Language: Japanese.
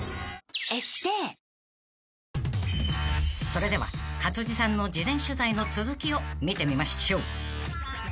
［それでは勝地さんの事前取材の続きを見てみましょう］